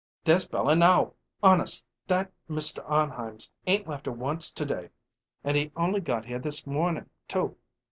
"There's Bella now! Honest, that Mr. Arnheim 'ain't left her once to day, and he only got here this morning, too!